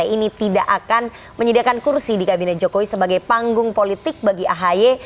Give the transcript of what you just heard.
ini tidak akan menyediakan kursi di kabinet jokowi sebagai panggung politik bagi ahy